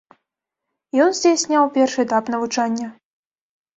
Ён здзяйсняў першы этап навучання.